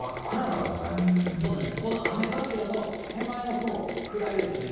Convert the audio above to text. そうなんです、この雨柱の手前の雲、暗いですよね。